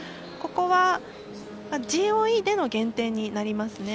ここはＧＯＥでの減点になります。